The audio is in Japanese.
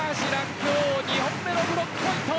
今日２本目のブロックポイント！